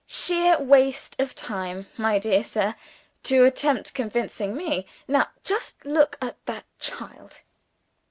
Sheer waste of time, my dear sir, to attempt convincing Me. Now, just look at that child!"